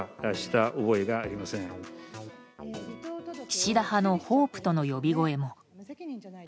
岸田派のホープとの呼び声も。